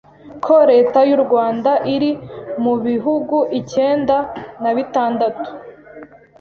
ko Leta y’u Rwanda iri mu bihugu ikenda na bitandatu